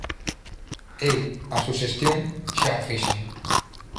Eu a suxestión xa a fixen.